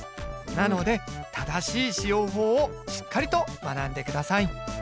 なので正しい使用法をしっかりと学んでください。